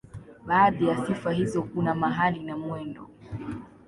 Baadhi ya sifa hizo kuna mahali na mwendo.